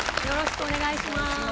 よろしくお願いします。